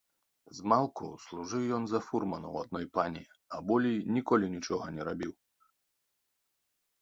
Змалку служыў ён за фурмана ў адной пані, а болей ніколі нічога не рабіў.